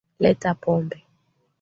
Leta Pombe